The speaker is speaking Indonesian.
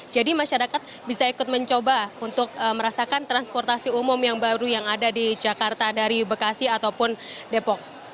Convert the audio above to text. jadi masyarakat bisa ikut mencoba untuk merasakan transportasi umum yang baru yang ada di jakarta dari bekasi ataupun depok